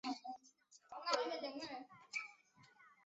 圣经记载扫罗最后死在和非利士人的战争中。